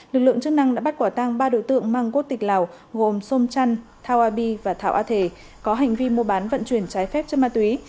lực lượng chức năng đã bắt quả tang ba đối tượng mang quốc tịch lào gồm sôm trăn thao a bi và thảo a thề có hành vi mua bán vận chuyển trái phép chất ma túy